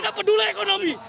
tidak peduli ekonomi